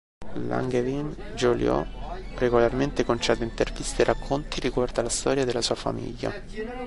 Langevin-Joliot regolarmente concede interviste e racconti riguardo alla storia della sua famiglia.